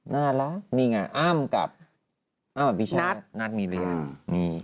น่ารักนี่ไงอ้ามกับอ้ามกับพี่เช้านัทนัทมีเรียง